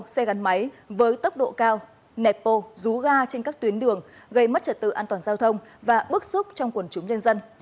xe gắn máy với tốc độ cao nẹt bô rú ga trên các tuyến đường gây mất trật tự an toàn giao thông và bức xúc trong quần chúng nhân dân